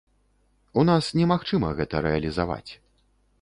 У нас немагчыма гэта рэалізаваць.